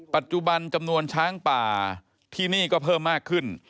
ปัจจุบันจำนวนช้างป่าที่นี่ก็เพิ่มมากขึ้น